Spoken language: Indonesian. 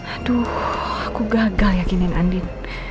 aduh aku gagal yakinin andin